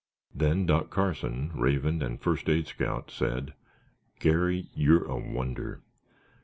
Then Doc Carson, Raven and First Aid Scout, said, "Garry, you're a wonder."